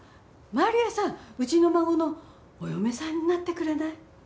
マリアさんうちの孫のお嫁さんになってくれない？